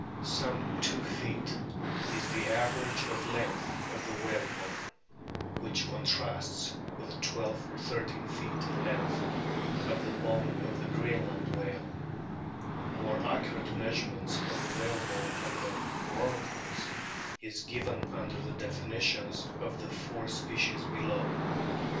Some two feet is the average length of the whalebone, which contrasts with the o ' twelve or thirteen feet in length of the " bone " of the Greenland whale ; more accurate measurements of the whalebone of the Rorquals is given under the definitions of the four species below.